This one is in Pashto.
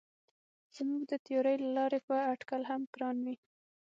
زموږ د تیورۍ له لارې به اټکل هم ګران وي.